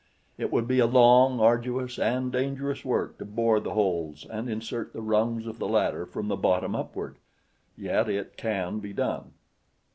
It would be a long, arduous and dangerous work to bore the holes and insert the rungs of the ladder from the bottom upward; yet it can be done.